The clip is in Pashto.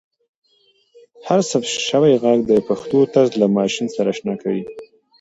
هر ثبت شوی ږغ د پښتو طرز له ماشین سره اشنا کوي.